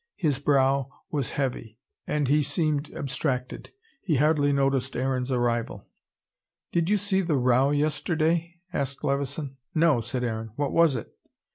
His brow was heavy and he seemed abstracted. He hardly noticed Aaron's arrival. "Did you see the row yesterday?" asked Levison. "No," said Aaron. "What was it?"